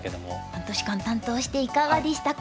半年間担当していかがでしたか？